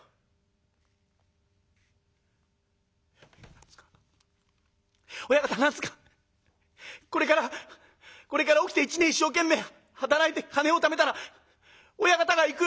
「何ですか親方何ですかこれからこれから起きて一年一生懸命働いて金をためたら親方が幾代太夫に」。